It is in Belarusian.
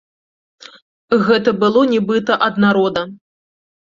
Гэта было нібыта ад народа.